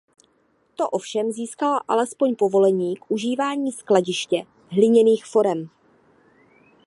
Ta ovšem získala alespoň povolení k užívání skladiště hliněných forem.